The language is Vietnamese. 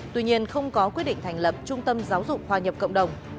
tuy nhiên không có quyết định thành lập trung tâm giáo dục hòa nhập cộng đồng